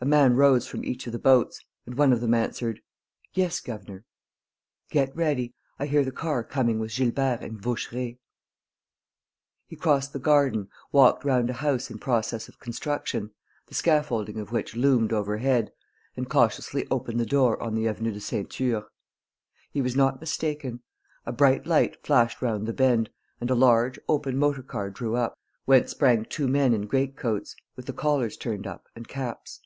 A man rose from each of the boats, and one of them answered: "Yes, governor." "Get ready. I hear the car coming with Gilbert and Vaucheray." He crossed the garden, walked round a house in process of construction, the scaffolding of which loomed overhead, and cautiously opened the door on the Avenue de Ceinture. He was not mistaken: a bright light flashed round the bend and a large, open motor car drew up, whence sprang two men in great coats, with the collars turned up, and caps.